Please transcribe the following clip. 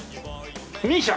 ＭＩＳＩＡ。